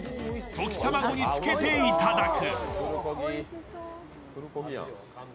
溶き卵につけていただく。